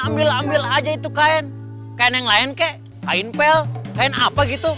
ambil ambil aja itu kain kain yang lain kek kain pel kain apa gitu